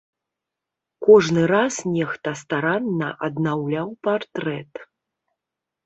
Кожны раз нехта старанна аднаўляў партрэт.